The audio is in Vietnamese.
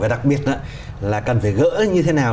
và đặc biệt là cần phải gỡ như thế nào